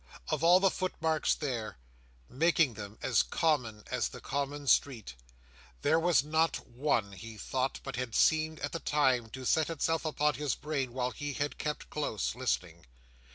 Of all the footmarks there, making them as common as the common street, there was not one, he thought, but had seemed at the time to set itself upon his brain while he had kept close, listening.